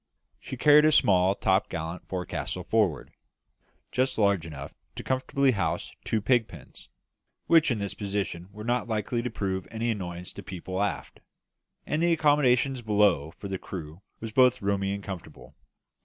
She carried a small topgallant forecastle forward, just large enough to comfortably house two pig pens, which in this position were not likely to prove an annoyance to people aft; and the accommodation below for the crew was both roomy and comfortable.